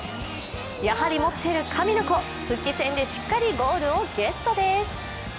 やはり持っている神の子復帰戦でしっかりとゴールをゲットです。